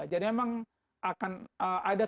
jadi memang akan ada kegiatannya